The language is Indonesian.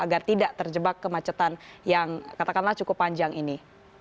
agar tidak terjebak kemacetan yang katakanlah cukup panjang ini